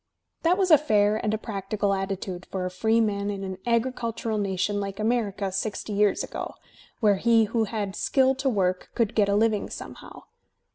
That was a fair and a practical attitude for a freeman in an agricultural nation like America sixty years ago, where he who had skill to work could get a living somehow.